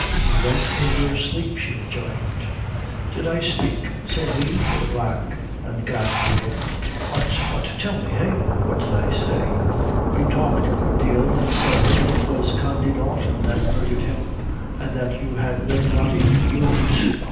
"You went in your sleep, she rejoined. "Did I spake?" said he, with a black and; ghastly look. "What what tell me eh? What did I say?" "You talked a good deal, an' said that it was Condy Dalton that murdhered him, and that you had Red Rody to prove it."